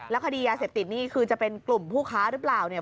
คดียาเสพติดนี่คือจะเป็นกลุ่มผู้ค้าหรือเปล่าเนี่ย